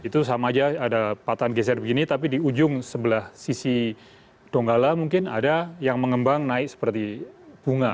itu sama aja ada patahan geser begini tapi di ujung sebelah sisi donggala mungkin ada yang mengembang naik seperti bunga